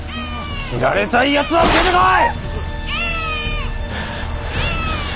斬られたいやつは出てこい！